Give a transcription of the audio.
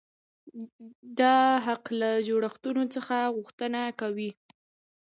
دا حق له جوړښتونو څخه غوښتنه کوي.